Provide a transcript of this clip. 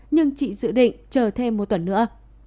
nhưng chị dự định chờ thêm một tuần nữa